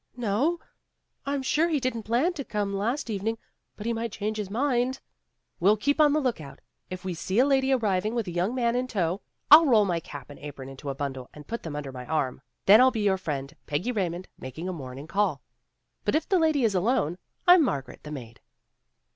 "No. I'm sure he didn't plan to come last evening. But he might change his mind." "We'll keep on the look out. If we see a lady arriving with a young man in tow, I'll roll my cap and apron into a bundle and put them under my arm. Then I '11 be your friend, Peggy Raymond, making a morning call. But MISTRESS AND MAID 149 if the lady is alone, I'm Margaret, the maid."